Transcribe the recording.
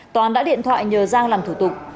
toán đã điện thoại nhờ giang làm thủ tục